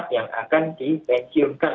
yang akan dipensiunkan